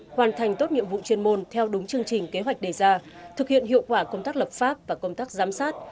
hoàn thành tốt nhiệm vụ chuyên môn theo đúng chương trình kế hoạch đề ra thực hiện hiệu quả công tác lập pháp và công tác giám sát